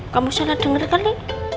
kamu salah denger kali